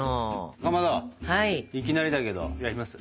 かまどいきなりだけどやります？